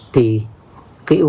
thì cái yêu cầu